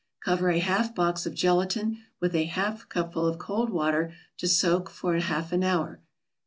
Cover a half box of gelatin with a half cupful of cold water to soak for a half hour.